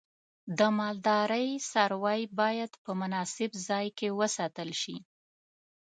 د مالدارۍ څاروی باید په مناسب ځای کې وساتل شي.